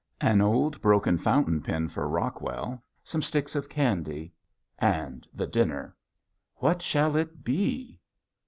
An old broken fountain pen for Rockwell, some sticks of candy, and the dinner! What shall it be?